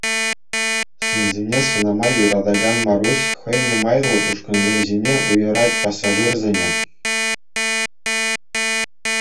Ҫынсене сӑнама юратакан Маруҫ хӑйне майлӑ ушкӑнсем ҫине уйӑрать пассажирсене.